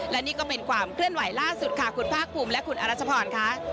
และนี่ก็เป็นความเคลื่อนไหวล่าสุดค่ะคุณภาคภูมิและคุณอรัชพรค่ะ